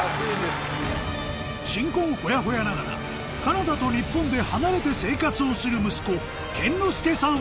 新婚ホヤホヤながらカナダと日本で離れて生活をする息子・健之介さん